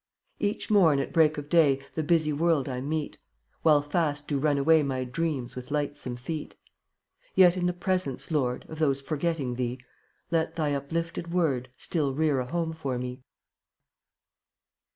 3 1 Each morn at break of day The busy world I meet, While fast do run away My dreams with lightsome feet; Yet in the presence, Lord, Of those forgetting Thee, Let Thy uplifted Word Still rear a home for me.